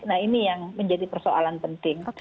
nah ini yang menjadi persoalan penting